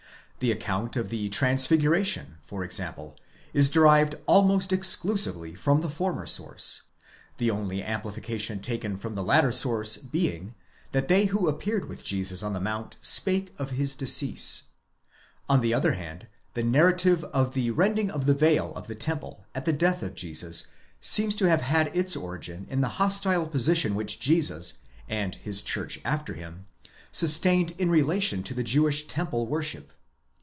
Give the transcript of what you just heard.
The account of the Transfiguration, for example, is derived almost 18 Thus J. Miiller, theol. Studien u. Kritiken, 1836, iii. 5. 839 ff. oe DEVELOPMENT OF THE MYTHICAL POINT OF VIEW. 87 exclusively from the former source; the only amplification taken from the latter source being—that they who appeared with Jesus on the Mount spake of his decease. On the other hand, the narrative of the rending of the veil of the temple at the death of Jesus seems to have had its origin in the hostile position which Jesus, and his church after him, sustained in relation to the Jewish temple worship.